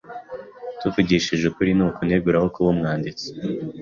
Tuvugishije ukuri, ni kunegura aho kuba umwanditsi.